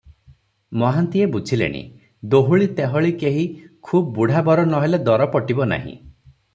ମହାନ୍ତିଏ ବୁଝିଲେଣି, ଦୋହୁଳି ତେହଳି କେହି, ଖୁବ୍ ବୁଢା ବର ନ ହେଲେ ଦର ପଟିବ ନାହିଁ ।